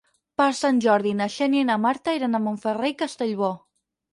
Per Sant Jordi na Xènia i na Marta iran a Montferrer i Castellbò.